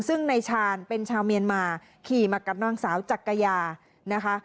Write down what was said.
ซึ่งนายชาญเป็นชาวเมียนมาขี่มากับนางสาวจักรยานะคะ